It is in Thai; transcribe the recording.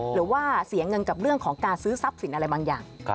หรือว่าเสียเงินกับเรื่องของการซื้อทรัพย์สินอะไรบางอย่าง